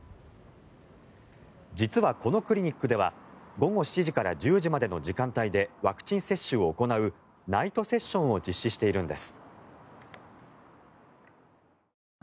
実は、このクリニックでは午後７時から１０時までの時間帯でワクチン接種を行うナイトセッションを実施しているんです。